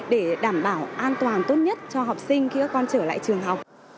để đảm bảo an toàn tốt nhất cho học sinh khi các con trở lại trường học